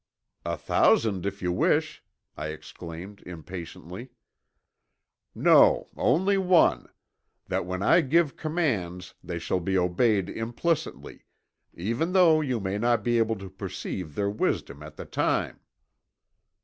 "A thousand if you wish," I exclaimed impatiently. "No, only one, that when I give commands they shall be obeyed implicitly, even though you may not be able to perceive their wisdom at the time."